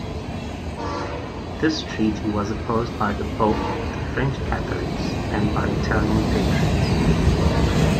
This treaty was opposed by the Pope, the French Catholics, and by Italian patriots.